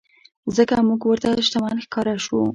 ځکه مونږ ورته شتمن ښکاره شوو.